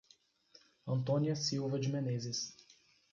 Antônia Silva de Meneses